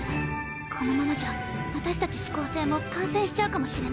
このままじゃ私たち四煌星も感染しちゃうかもしれない。